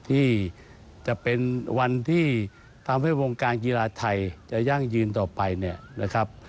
ที่จะเป็นวันที่ทำให้วงการกีฬาไทยจะยั่งยืนต่อไปเนี่ยนะครับ